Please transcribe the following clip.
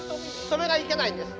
それがいけないんです。